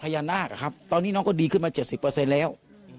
วาดพยานากครับตอนนี้น้องดีขึ้นมา๗๐แล้ว